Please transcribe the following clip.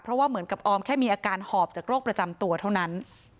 เพราะว่าเหมือนกับออมแค่มีอาการหอบจากโรคประจำตัวเท่านั้น